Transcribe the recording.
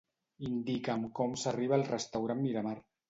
Indica'm com s'arriba al restaurant Miramar.